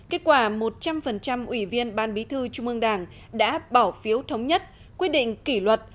kết quả một trăm linh ủy viên ban bí thư trung ương đảng đã bỏ phiếu thống nhất quyết định kỷ luật